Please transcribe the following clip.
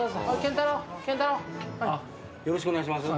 よろしくお願いします。